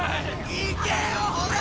行けよほら！